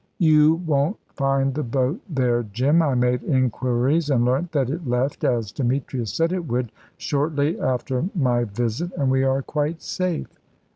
"You won't find the boat there, Jim. I made inquiries, and learnt that it left, as Demetrius said it would, shortly after my visit. And we are quite safe.